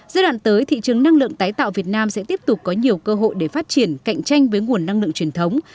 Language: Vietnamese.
giai đoạn tới thị trường năng lượng tái tạo việt nam sẽ tiếp tục có nhiều cơ hội để phát triển cạnh tranh với nguồn năng lượng truyền thống